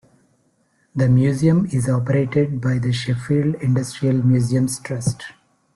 The museum is operated by the Sheffield Industrial Museums Trust.